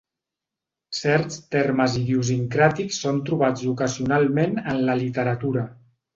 Certs termes idiosincràtics són trobats ocasionalment en la literatura.